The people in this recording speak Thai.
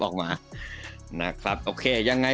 กันสักคลิปออกมา